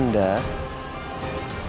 berg redenang mesyuaratnya